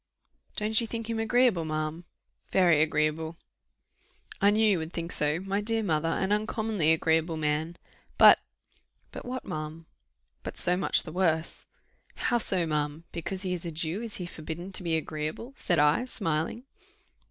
"Don't you think him agreeable, ma'am?" "Very agreeable." "I knew you would think so, my dear mother; an uncommonly agreeable man." "But " "But what, ma'am?" "But so much the worse." "How so, ma'am? Because he is a Jew, is he forbidden to be agreeable?" said I, smiling.